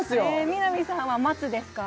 南さんは「待つ」ですか？